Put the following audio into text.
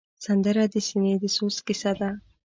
سندره د سینې د سوز کیسه ده